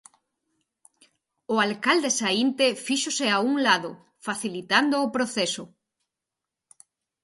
O alcalde saínte fíxose a un lado, facilitando o proceso.